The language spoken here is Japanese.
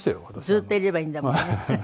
ずっといればいいんだもんね。